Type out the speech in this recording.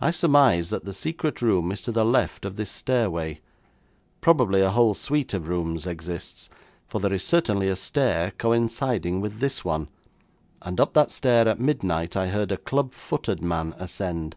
I surmise that the secret room is to the left of this stairway. Probably a whole suite of rooms exists, for there is certainly a stair coinciding with this one, and up that stair at midnight I heard a club footed man ascend.